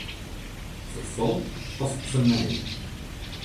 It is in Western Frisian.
Ferfal of fernijing?